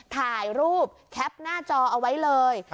ถ่ายรูปแคปหน้าจอเอาไว้เลย